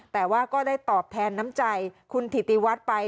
แต่ว่าก็ได้ตอบแทนน้ำใจคุณถิติวัฒน์ไป